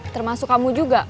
termasuk kamu juga